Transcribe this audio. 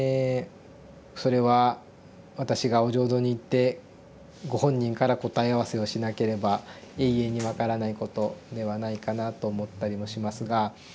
それは私がお浄土に行ってご本人から答え合わせをしなければ永遠に分からないことではないかなと思ったりもしますが。